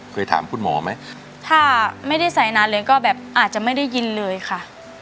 เคยถามคุณหมอไหมถ้าไม่ได้ใส่นานเลยก็แบบอาจจะไม่ได้ยินเลยค่ะ